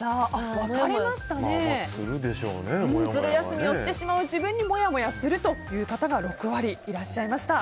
ズル休みをしてしまう自分にもやもやするという方が６割いらっしゃいました。